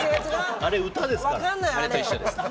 あれ、歌ですから。